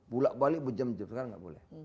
bolak balik berjam jam sekarang enggak boleh